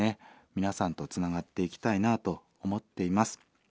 皆さんとつながっていきたいなと思っています。